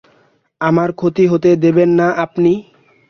আমার ক্ষতি হতে দেবেন না আপনি।